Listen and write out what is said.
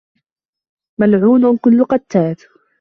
مَلْعُونٌ كُلُّ قَتَّاتٍ